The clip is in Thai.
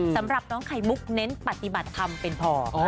สำหรับน้องไข่มุกเน้นปฏิบัติธรรมเป็นพอ